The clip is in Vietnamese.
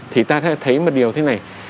thì ta thấy một điều thế này